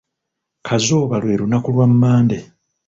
"Kazooba lwe lunaku lwa ""Monday""."